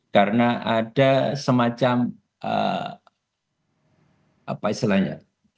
karena ada semacam apa istilahnya